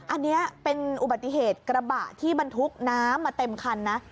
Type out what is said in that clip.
อันนี้เป็นอุบัติเหตุกระบะที่บรรทุกน้ำมาเต็มคันนะ